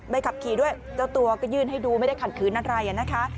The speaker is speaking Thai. ไม่ขับขี่ด้วยเจ้าตัวก็ยื่นให้ดูไม่ได้ถัดขึ้นนั่นไหร่